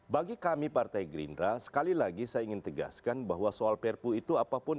bagi kami partai gerindra sekali lagi saya ingin tegaskan bahwa soal perpu itu apapun